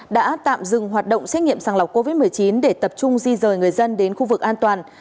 đã tạm dừng hoạt động xét nghiệm sàng lọc covid một mươi chín để tập trung di rời người dân đến khu vực an toàn